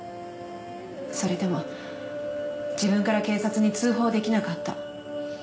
それでも自分から警察に通報出来なかった。